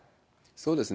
そうですね。